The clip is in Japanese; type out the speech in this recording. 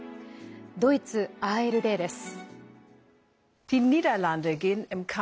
ドイツＡＲＤです。